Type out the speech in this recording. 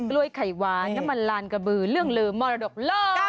้วยไข่หวานน้ำมันลานกระบือเรื่องลืมมรดกโลก